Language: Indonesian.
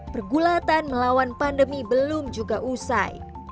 pergulatan melawan pandemi belum juga usai